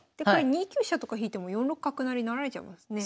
２九飛車とか引いても４六角成成られちゃいますね。